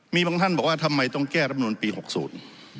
มีบางท่านบอกว่าทำไมต้องแก้รับนูลปีหกศูนย์